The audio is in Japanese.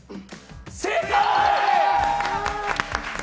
正解！